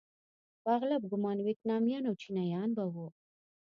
په اغلب ګومان ویتنامیان یا چینایان به وو.